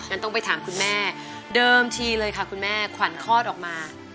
งั้นต้องไปถามคุณแม่เดิมทีเลยค่ะคุณแม่ขวัญคลอดออกมา